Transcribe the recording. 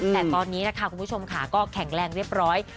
แต่ตอนนี้นะคะคุณผู้ชมค่ะก็แข็งแรงเรียบร้อย